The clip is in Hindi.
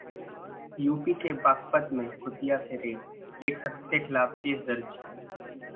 यूपी के बागपत में कुतिया से रेप, एक शख्स के खिलाफ केस दर्ज